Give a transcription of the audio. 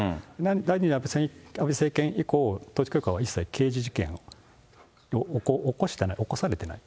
第２次安倍政権以降、統一教会は一切刑事事件を起こしていない、起こされていない。